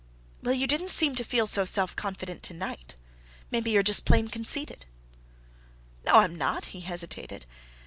"Well, you didn't seem to feel so self confident to night. Maybe you're just plain conceited." "No, I'm not," he hesitated.